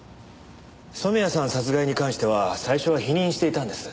染谷さん殺害に関しては最初は否認していたんです。